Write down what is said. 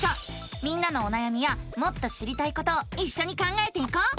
みんなのおなやみやもっと知りたいことをいっしょに考えていこう！